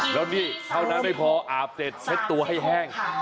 แล้วนี่เท่านั้นไม่พออาบเสร็จเช็ดตัวให้แห้ง